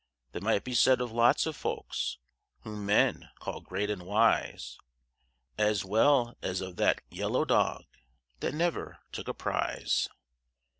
That might be said of lots of folks whom men call great and wise, As well as of that yellow dog that never took a prize.